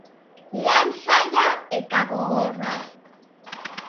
Lan zaila eta gogorra.